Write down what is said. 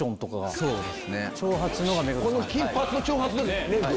この金髪の長髪目黒君？